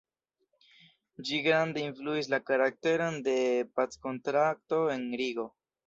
Ĝi grande influis la karakteron de packontrakto en Rigo.